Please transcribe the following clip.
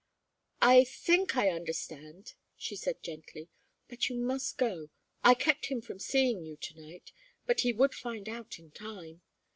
"I think I understand," she said, gently. "But you must go. I kept him from seeing you to night. But he would find out in time.